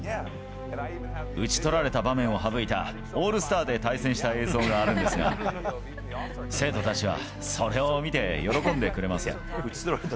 打ち取られた場面を省いたオールスターで対戦した映像があるんですが、生徒たちはそれを見て喜んでくれますよ。